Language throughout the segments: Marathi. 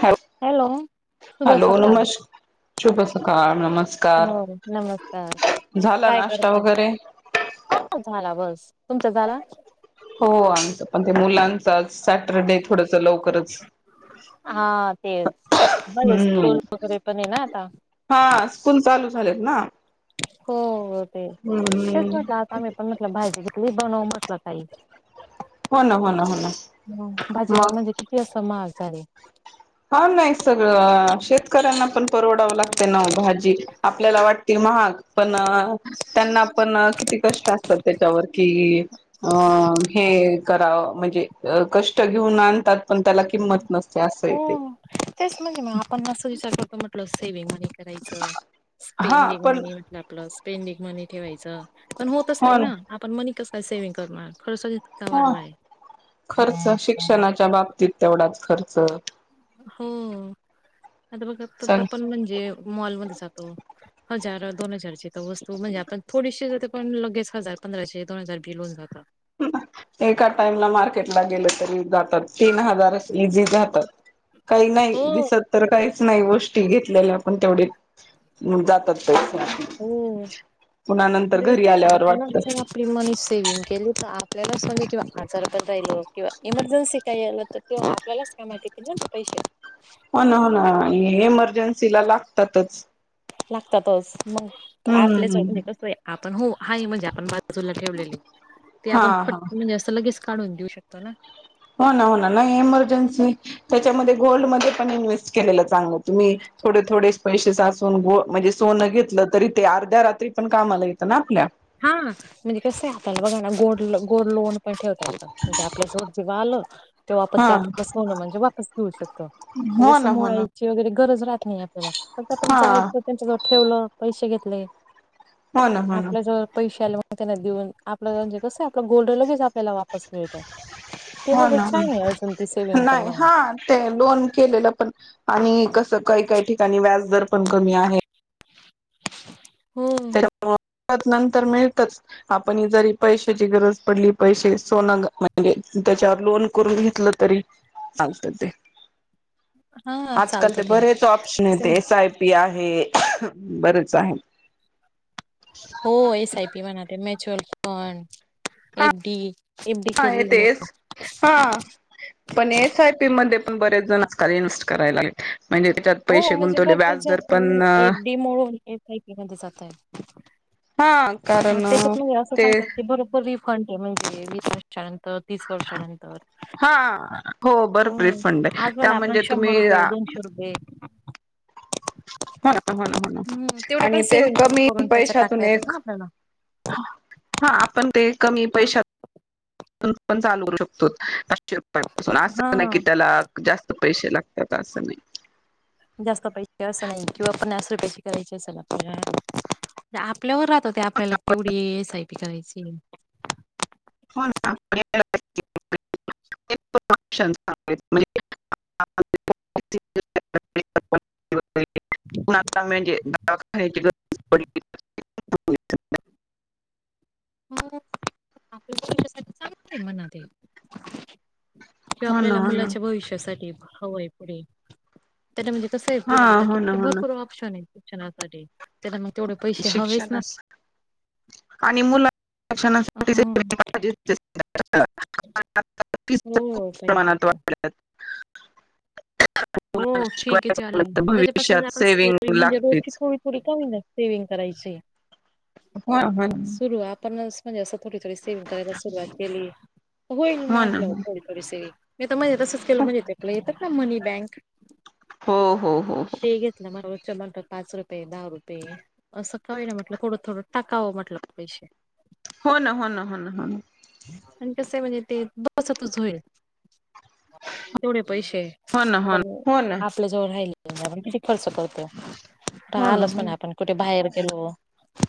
ह हॅलो! शुभ हॅलो सकाळ नमस्क शुभ सकाळ, नमस्कार, हो नमस्कार झाला नाश्ता वगैरे हा झाला बस तुमचं झाला हो आमच पण ते मुलां सॅटरडे थोडस लवकरच हा तेच माझे स्कूल हम्म वगैरे पण आहे ना आता हा स्कूल चालू झालेत ना. हो ते तेच हम्म म्हटलं, आता आम्ही पण म्हटलं भाजी घेतली बनवू म्हटलं काही. हो ना हो ना हो ना ह भाजीला मग म्हणजे किती अस महाग झालय. हा नाही सगळं शेतकऱ्यांना पण परवडावं लागते ना भाजी आपल्याला वाट महाग पण त्यांना आपण किती कष्ट असतात त्याच्यावर कि अ हे करावं म्हणजे कष्ट घेऊन आणतात पण त्याला किंमत नसते असंय हो तेच म्हणजे मग आपण अस विचार करतो म्हटल सेविगमनी करायचं हा स्पेंडिंग पण मनी म्हटलं, आपलं स्पेंडिंग मनी ठेवायचं. पण होतच हो नाही ना, आपण मनी कस सेविग करणारं ह खर्च शिक्षणाच्या बाबतीत तेवढाच खर्च. हो आता बघा च आपण म्हणजे मॉलमध्ये जातो हजार दोन हजारची का वस्तू म्हणजे आपण थोडीशी जाते पण लगेच हजार पंधराशे दोन हजार बील हून जातं. एका टाइमला मार्केटला गेल, तरी जातात तीन हजार. इझी जातात काही हो नाही दिसत तर काहीच नाही गोष्टी घेतलेल्या पण तेवढे जातात. पैसे हो पुन्हा नंतर म्हणजे घरी कस, आल्यावर आपणच वाटत जर हो आपली मनी सेविंग केली त आप आपल्याला म्हण किंवा आजारात जायलो किंवा इमर्जन्सी काही आलं तर तेव्हा आपल्यालाच का माहिती की पैसे [unintelligible] [unintelligible] हो ना हो ना आणि इमर्जन्सीला लागतातच. लागतातच मग आपल्याच म्हणजे हम्म कसं आहे आपण हो आहे म्हणजे आपण बाजूला ठेवलेली, ते हा आपण फट हा म्हणजे असं लगेच काढून देऊ शकतो ना. हो ना हो ना नाही एमर्जन्सी त्याच्यामध्ये गोल्डमध्ये पण इन्व्हेस्ट केलेलं चांगलं तुम्ही, थोडे थोडे पैसे साचून गो म्हणजे सोनं घेतलं तरी ते अर्ध्या रात्री पण कामाला येतं ना आपल्या. हा म्हणजे कस आहे आपला बघा ना गोड गोल्ड लोन पण ठेवता येत म्हणजे आपले जोड जेव्हा आलं तेव्हा आपण हा त्यातन सोन म्हणजे वापस घेऊ शकतो. म्हणजे हो असं ना हो ना मोळायचे वगैरे गरज राहत नाही. आपल्याला फक्त आपण हा जा त्यांच्या जवळ ठेवलं पैसे घेतले, हो ना हो ना पैशाला त्यांना देऊन आपलं म्हणजे कसं आपलं गोल्ड लगेच आपल्याला वापस मिळत. हो ना पण नाही म्हणा हा ते लोन केलेलं पण आणि कस काही काही ठिकाणी व्याज दर पण कमी आहे. हो तर मग नंतर मिळतच आपण जरी पैशाची गरज पडली पैसे सोनं ग म्हणजे त्याच्यावर लोन करून घेतलं तरी चालतं ते, हा आजकाल चालतं ते बरेच ऑप्शन कसं आहेत. म्हणजे एस आय पी आ हे बरेच आहे. हो एस आय पी म्हणाते mutual fund, F D F D हा केलेली येतेच हा पण एस आय पी मध्ये पण बरेच जण इन्वेस्ट कराय लागलेत. म्हणजे त्याच्यात हो पैसे म्हणजे गुंतवले भरपूर व्याजदर जण पण एफ डी मोडून एस आय पी मध्ये जात आहे. हा कारण त्याच्यात म्हणजे असं ते सांगतात की बरोबर रिफंड आहे म्हणजे, वीस वर्षानंतर तीस वर्षानंतर हा हो भरपूर फंड आहे आज पण त्या म्हणजे आपल्याला शंभर तुम्ही रुप ये, दोनशे रूपये हो हो ना हो ना हम्म तेवढे आणि पण ते सेव्हिंग करून कमी करून त्याच्यात टाकता पैशातून येतात एक ना आपल्याला. हा आपण ते कमी पैशात, पण चालू करू शकतो पाचशे रुपयापासून असं नाही हा की त्याला जास्त पैसे लागतात असं नाही. जास्त पैसे असं नाही, किंवा पन्नास रूपये पैसे करायचे असेल आपल्याला आपल्यावर राह ते आपल्याला केवढी ए एस आय पी करायची. हो ना, म्ह [unintelligible] [unintelligible] ता म्हजे [unintelligible] हो चांगलं आहे मनात [unintelligible] किंवा हो ना आपल्याला हो ना मुलाच्या भविष्यासाठी हवंय पुढे, त्यानां म्हणजे कसं आहे. हा पुढे आता हो ना किती हो ना भरपूर ऑप्शन आहे. शिक्षणासाठी, त्यांना मग तेवढे पैसे हवेच ना. शिक्षणास आणि मुलाणासाठी हा [unintelligible] फीज तर हो खूप पाहिजे प्रमाणात तर वाढल्यात. [inaudible] हो फी शिकवायचं किती ऑनलाईन म्हटलं तर त्याच्यापासून भविष्यात सेविंग म्हणजे रोजची लागतेच. थोडी थोडी कमी नाही सेविंग करायची हो ना सुरू आपणच म्हणजे असं. थोडी थोडी सेविंग करायला सुरुवात केली होईल हो ना हो ना म्हटलं हो. थोडी थोडी सेविंग नाही तर मधे तसंच केलं म्हणजे येतेय ना आपलं येतात ना मनी बँक हो हो हो हो चिल्लर म्हणता पाच रुपये, दहा रुपये असं काय ना म्हटलं थोडं थोडं टाकावं म्हटलं पैसे हो ना हो ना हो ना हो ना आणि कस आहे म्हणजे ते बसतच होईल. तेवढे पैसे हो ना हो ना आपण हो ना आपल्या जवळ राहिल. ण किती खर्च करत. हो राहा ना लच हो पणा ना आपण कुठे बाहेर गेलो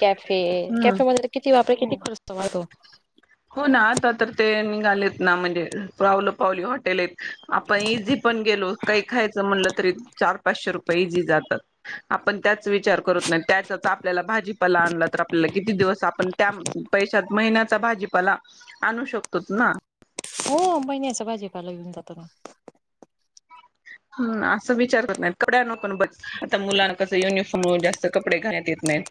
कॅफे हम्म कॅफे मध किती वापर किती खरंचतो माहित हाय काय. हो ना आता तर ते निघालेत. ना म्हणजे पावलं पावली हॉटेल आहेत आपण इझी पण गेलो काही खायचं म्हणलं तरी चार पाचशे रुपये ईजी जातात. आपण चा त्याच विचार करत नाही त्याचाच आपल्याला भाजीपाला आणला तर आपल्याला किती दिवस आपण त्या पैशात महिन्यात भाजीपाला आणू शकतोत ना. हो महिन्याचा भाजीपाला घेऊन जातो ना. हम असं विचार करत नाही. कपद्याच पण बघ आता मुलांना कस युनिफॉर्म मूळ जास्त कपडे घाण्यात येत नाहीत.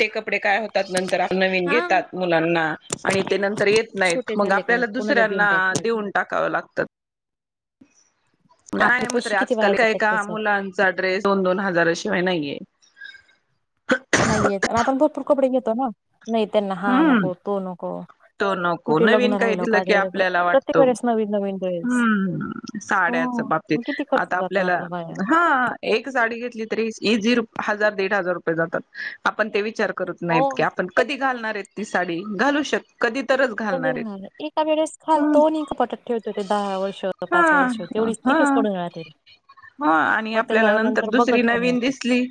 ते कपडे काय होतात नर आपु नवीन हा घेतात मुलांना आणि ते नंतर येत नाहीत छोटे मग झाले का आपल्याला कोणाला देऊन दुसऱ्यांना टाकतात देऊन टाक कावं लागतात. आपले काय म्हंडल तरी पैसे किती वाया आजकालय जातात का त्याच्यात मुलांचा ड्रेस दोन दोन हजार शी वाय नाही येत. त्याना नाही तर ना हा हम्म नको तो नको. नको कुठे लग्न नवीन काही राहिलं दिलं की पाहिजे आपल्याला प्रत्येक वाटतो. वेळेस नवीन नवीन ड्रेस हम्म साड्या च बबतीत हो किती खर्च आता जातो आपल्याला आपला वाया हा एक साडी घेतली तर ईजी हजार दड हजार रुपये जातात आपण ते विचार करत नाहीत हो की आपण कधी घालणार ये ती साडी घालू शक कधी तरच घालणार आहेत एका वेळेस हम्म, घालतो आणि कपाटात ठेवतो ते दहा वर्ष हा पाच वर्ष होते. तेवढीच किथेच पडून राहतेरी. हो आणि आपल्याला नंतर दुसरी पण नाही नवीन दिसली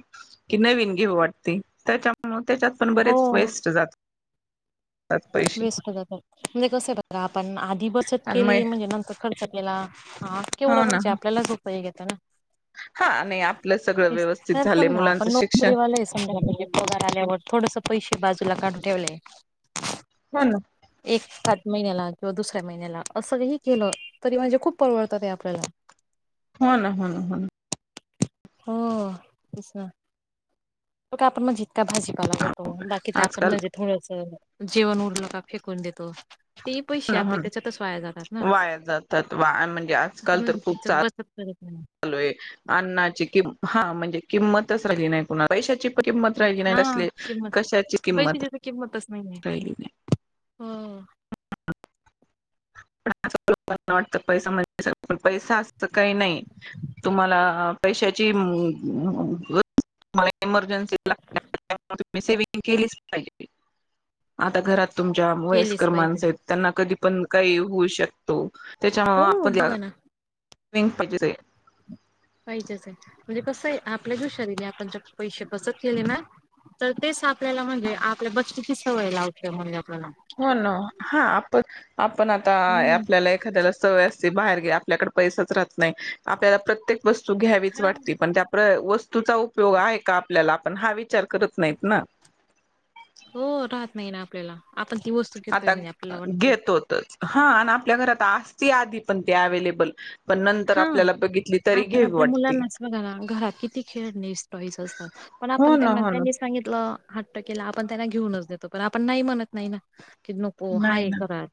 की नवीन घेव वाट. ते त्याच्यामु त्याच्यात पण हो बरेच वेस्ट जातात. पैसे वेस्ट जातात. म्हणजे कस आहे बघ आपण आधी बचत आणि केली मग म्हणजे नंतर खर्च आपल्याला हा केवढं हो ना म्हणजे आपल्यालाच सोप हे घेतं ना. हा आणि आपलं सगळं व्यवस्थित जर झालंय समजा मुलांचं आपण शिक्षण नोकरीवालेय समजा म्हणजे पगार आल्यावर थोडस पैसे बाजूला काडून ठेवले, हो ना एक का महिन्याला किंवा दुसऱ्या महिन्याला असंही केलं तरी म्हणजे खूप परवडतात ते आपल्याला. हो ना हो ना हो ना. हो तेना. का आपण म्हणजे इतका भाजीपाला ना घेतो बाकी तर आपण आजकाल म्हणजे थोडंस जेवण उरलं का फेकून देतो. ते हो पैसे ना हो आपले ना त्याच्यातच वाया जातात ना. वाया जातात वा ण त्या बसत करत. नाही चालूय अन्नाची कि हा म्हणजे किंमतच राहिली नाही कणा पैशाची किंमत राहिली नाही हा कसली किंमत कशाची किंमत. पैशाची तर किंमतच राहिली नाही हो. [unintelligible] आपल्याला वाटत पैसा म्हण पण पैसा असं काही नाही तुम्हाला पैशाची गरज तुमाला एमर्जेन्सी जे लागतात त्यामुळे सेविंग केलीच पाहिजे. आता घरात, तुमच्या केलीच वयस्कर पाहिजे माणसं आहेत त्यांना कधी पण काही होऊ शकतो. त्याच्यामुळ हो आपल्या ला बघा ना सेविंग पाहिजेल. पाहिजेच आहे म्हणजे कसं आहे आपल्या हुशारीने आपण जर पैसे बसत केले ना तर तेच आपल्याला म्हणजे आपल्या बची सवय लावते म्हजे. हो ना हा आपण आपण आता हम्म आपल्याला एखाद्याला सवय असती बाहेर गे ल्याक पैच राहत नाही आपल्याला प्रत्येक वस्तू घ्यावीच हा वाट पण त्या प्र वस तुचा उपयोग आहे का आपल्याला आपण हा विचार करत नाहीत ना. हो राहत नाही ना आपल्याला आपण ती वस्तूक घेतोय आता म्हणजे आपल्याला वाटत घेतोतच हा आणि आपल्या घरात आसती आधी पण ते अव्हेलेबल पण नंतर हा आपल्याला बघित आपण आपल्या मुलांनाच बघा ना घरात किती खेळणे टोईस असतात पण हो ना आपणना हो ना त्यांनी स सांगितल हट्ट केला आपण त्यांना घेऊनच देतो आपण नाही म्हणत नाही ना कि नको हा नाही एक ना घर आहे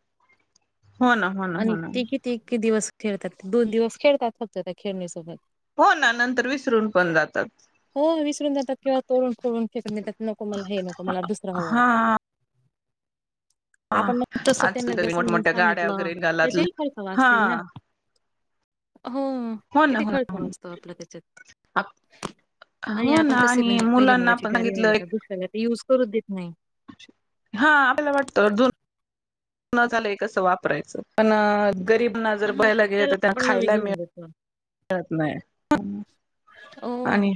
हो ना हो ना हो आणि ना ते किती. कीती दिवस खेळतात दोन दिवस खेळतात फक्त त्या खेळणीसोबत हो ना नंतर विसरून पण जातात. जळ तोडून तोडून फेकत नको मला हे नको मला दुसरा हवा हा आपण तस त्यांना आजकाल तरी जसं म्हणून मोठमोठ्या गाड्या सांगितलं वगैरे निघालात त्याच्याही फयखव हा असतील ना [inaudible] हो हो ना किती हो ना खर्च हो ना वाजतो आपला त्याच्यात आप- अ हो आपण ना कसे आणि म्हणजे पहिल्या मुलांना मुलाची आपण गाडी राहिली सांगितलं का एक दुसऱ्याला युज करूच देत नाही. हा आपल्याला वाटतं अजून न झालंय कस वापरायचं पण गरीबना जर हा बयला गेले तर त्यांना पण नवी खायला मिळ घेऊन देतो. मिळत नाही. हो. आणि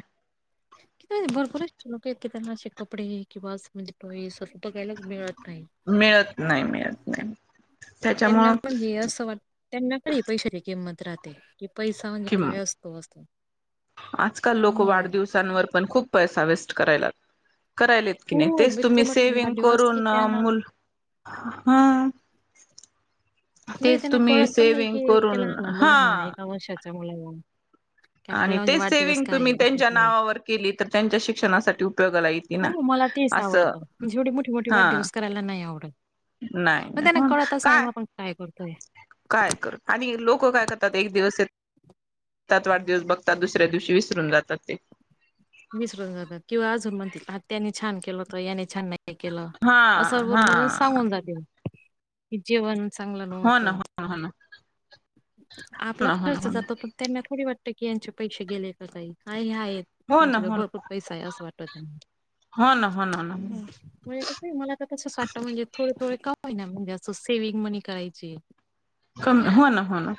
कि भरपरच लोक आहेत की त्यांना असे कपडे किंवा सज टोय स बघायलाच मिळत. नाही. मिळत नाही मिळत नाही. त्यांना त्याच्यामुळं म्हण असं वाट त्यांना खरी पैशाची किंमत राहते. की पैसा म्हणजे किं काय असतो असं. आजकाल लोक हो. वाढदिवसांवर पण खूप पैसा वेस्ट कराय लागत. करायलात की नाही हो तेच बिकते तुम्ही म्हटले सेविंग वाढदिवस की करून त्या मुल हा नाही तेच त्यांना तुम्ही कळत पण नाही सेविंग की त्या करून लहान लहान हा मुलांना एका वर्षाच्या मुलाला की आणि आपल्याला म्हणजे ते वाढदिवस सेवविंग काय तुम्ही आहे बड्डे त्यांच्या काय आहे. नावावर केली तर त्यांच्या शिक्षणासाठी उपयोगाला येतीले ना हो मला तेच असं आवडतं म्हणजेवढे मोठे मोठे हा वाढ दिवस करायला नाही आवडत. नाही मग त्यांना नाही कळतच नाही ना आपण काय करतोय. काय कर आणि लोक काय करतात एक दिवस येत. सतात वाढदिवस बघता दुसऱ्या दिवशी विसरून जातात ते विसरून तर याने छान नाही केलं हा हा असं सांगून जाते जेवण चांगलं हो ना नव्हतं. हो हो ना हो आपला ना हो ना खर्च हो ना जातो पण त्यांना थोडी वाटत की यांचे पैसे गेले का काही काय हय हो ना त्यांच्या भरपूर पैसा आहे असं वाटत त्यांना हो ना हो ना हो ना ह म्हणजे कस मला तसच वाटत म्हणजे थोडे थोडे होय ना म्हणजे असं सेवि्हंग मनी करायची हो ना हो ना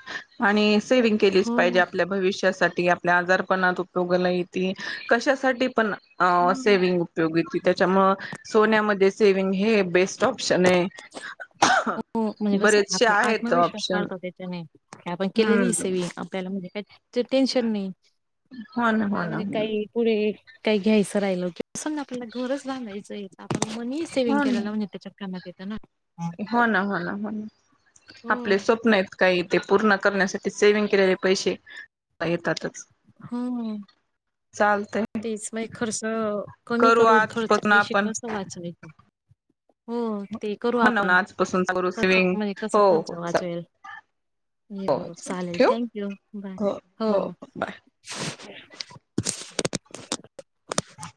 आणि सेविंग केलीच हो पाहिजे आपल्या भविष्यासाठी आपल्या आजारण उपयोगत येतील कशासाठी पण हम्म. सेविंग उपयोगी त्याच्यामुळे सोनमध्ये हे बेस्ट ऑप्शन आहे. हो म्हणजे कस बरेचसे आप आत् आहेत विश्वास ऑप्शन वाढतो त्याच्याने आपण केलेली हम्म सेवी आपल्याला म्हणजे काही टेन्शन नाही. हो ना हो आपल्याला ना म्हणजे हो ना काही पुढे काही घ्यायचं राहिल की अस ना आपला घरच बांधायचं या मनी सेव्हंग हो केला ना. लावून त्याच्या कामात येत ना. हो ना हो ना हो ना आपले हम्म. स्वप्न आहेत काही. ते पूर्ण करण्यासाठी सेविंग केलेले पैसे येतात. हम् चालतय तेच मग खर्च कमी करू करून थोड आजपासून पैसे आपण कस वाचावायचे हो. ते करू हो आपण ना आजपासून करू कसं सेविंग म्हणजे कसं हो खर्च हो चाल वाचवेल. ये हो बरो चालतंय चालेल ठेवू थँक यू बाय हो ह